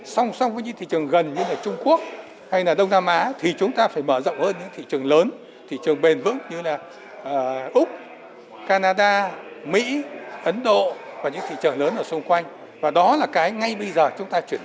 song song với những thị trường gần như là trung quốc hay đông nam á thì chúng ta phải mở rộng hơn những thị trường lớn thị trường bền vững như là úc canada mỹ ấn độ và những thị trường lớn ở xung quanh và đó là cái ngay bây giờ chúng ta chuyển đổi